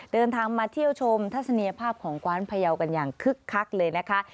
เดินทางมาเที่ยวชมทัศนียภาพของกว้านพยาวกันอย่างคึกคักเลยนะคะ